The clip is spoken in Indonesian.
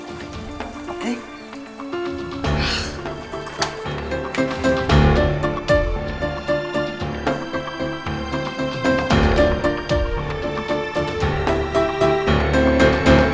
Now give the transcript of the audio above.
padahal telah ingat